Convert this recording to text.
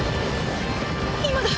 今だ！